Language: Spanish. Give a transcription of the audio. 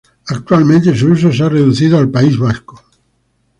Actualmente su uso se ha reducido al País Vasco.